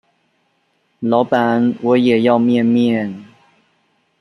老闆我也要麵麵